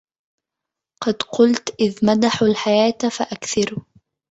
قد قلت إذ مدحوا الحياة فأكثروا